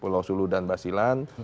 pulau sulu dan basilan